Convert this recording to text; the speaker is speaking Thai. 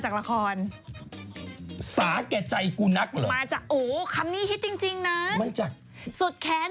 จากละรครหิดปี๕๘มีคำว่าอะไรบ้าง